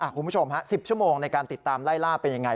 คุณผู้ชม๑๐ชั่วโมงในการติดตามไล่ล่าเป็นยังไง